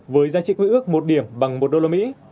với giá trị quý ước một điểm bằng một đô la mỹ